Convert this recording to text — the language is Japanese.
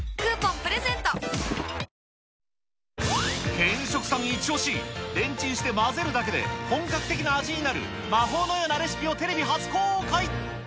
偏食さん一押し、レンチンして混ぜるだけで本格的な味になる、魔法のようなレシピをテレビ初公開。